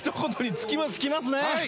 尽きますね。